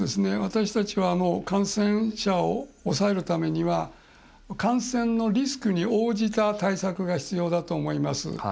私たちは感染者を抑えるためには感染のリスクに応じた対策が必要だと思います。